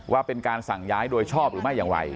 ว่าเป็นการสั่งย้ายโดยชอบหรือไม่อย่างไร